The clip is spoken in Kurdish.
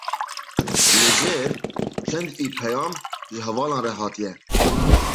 Li jêr çend e-peyam ji hevalan re hatiye.